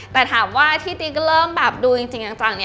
แต่ถามว่าที่ติ๊กเริ่มแบบดูจริงจัง